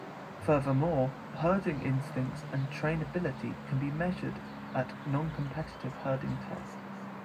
Furthermore, herding instincts and trainability can be measured at noncompetitive herding tests.